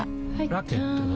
ラケットは？